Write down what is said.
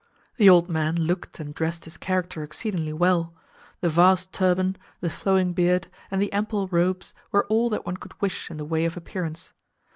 The old man looked and dressed his character exceedingly well; the vast turban, the flowing beard, and the ample robes were all that one could wish in the way of appearance.